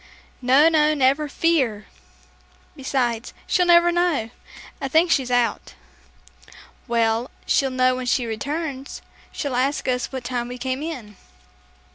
"No, no, never fear. Besides, she'll never know. I think she's out." "Well, she'll know when she returns. She'll ask us what time we came in."